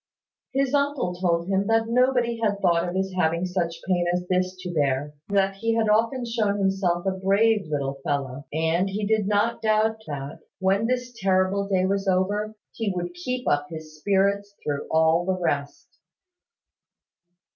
His uncle told him that nobody had thought of his having such pain as this to bear: that he had often shown himself a brave little fellow; and he did not doubt that, when this terrible day was over, he would keep up his spirits through all the rest.